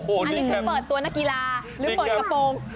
อันนี้คือเปิดตัวนักกีฬาหรือเปิดกระโปรง